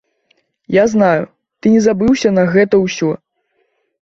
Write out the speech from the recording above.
Я знаю, ты не забыўся на гэта на ўсё.